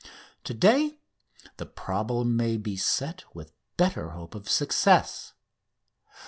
To day the problem may be set with better hope of success.